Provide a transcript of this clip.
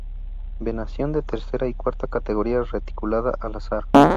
Venación de tercera y cuarta categoría reticulada al azar.